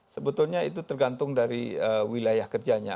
sebetulnya itu tergantung dari wilayah kerjanya